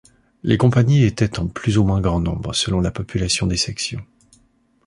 Les compagnies étaient en plus ou moins grand nombre selon la population des sections.